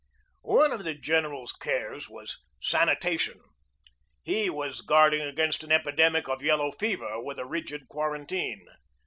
One of the general's cares was sanitation. He 80 GEORGE DEWEY was guarding against an epidemic of yellow fever with a rigid quarantine.